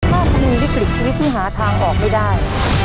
ถ้าคุณมีวิกฤตชีวิตที่หาทางออกไม่ได้